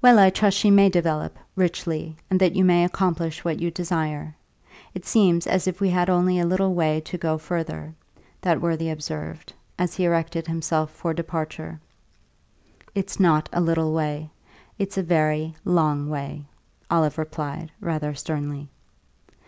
"Well, I trust she may develop, richly, and that you may accomplish what you desire; it seems as if we had only a little way to go further," that worthy observed, as he erected himself for departure. "It's not a little way; it's a very long way," Olive replied, rather sternly.